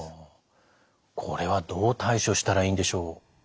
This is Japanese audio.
これはどう対処したらいいんでしょう？